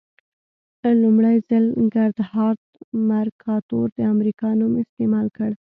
لومړي ځل ګردهارد مرکاتور د امریکا نوم استعمال کړ.